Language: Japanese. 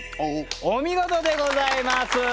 お見事でございます！